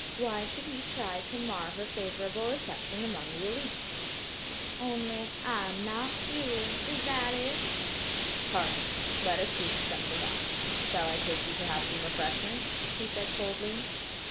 Why should he try to mar her favorable reception among the élite. "Only, I am not Jewel; is that it?" "Pardon. Let us speak of something else. Shall I take you to have some refreshment?" he said coldly.